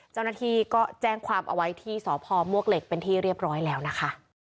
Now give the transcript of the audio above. เจ้าหน้าที่ก็แจ้งความเอาไว้ที่สพมวกเหล็กเป็นที่เรียบร้อยแล้วนะคะ